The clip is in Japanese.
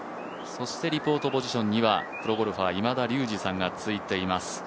リポートポジションにはプロゴルファー今田竜二さんが着いています。